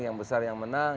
yang besar yang menang